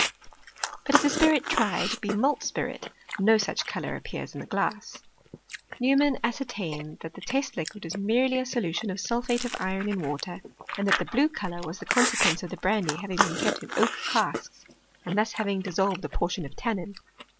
But if the spirit tried be malt spirit, no such colour appears in the glass. Neumann ascertained that the test liquid was merely a solution of sulphate of iron n water, and that the blue colour was the consequence of the brandy having been kept in oak casks, and that having dissolved a portion of tannin.